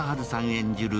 演じる